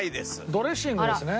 ドレッシングですね？